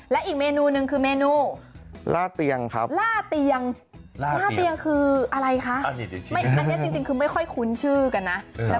ข้างบัวแห่งสันยินดีต้อนรับทุกท่านนะครับ